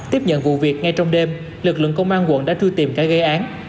tiếp nhận vụ việc ngay trong đêm lực lượng công an quận đã truy tìm kẻ gây án